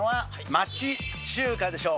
町中華でしょう。